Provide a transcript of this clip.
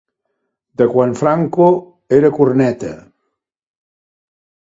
De quan Franco era corneta.